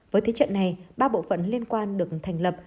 với thế trận này ba bộ phận liên quan được thành lập